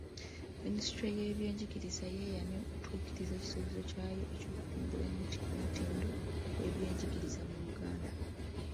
Minisitule y'ebyenjigiriza yeeyamye okutuukiriza ekisuubizo kyayo eky'okutumbula omutindo gw'ebyenjigiriza mu Uganda.